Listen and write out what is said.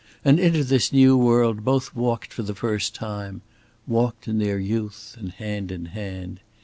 And into this new world both walked for the first time walked in their youth and hand in hand.